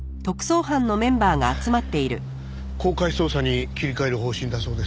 公開捜査に切り替える方針だそうです。